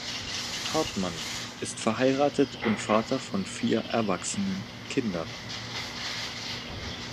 Hartmann ist verheiratet und Vater von vier erwachsenen Kindern.